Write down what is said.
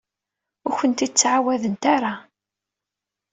Ur ak-t-id-ttɛawadent ara.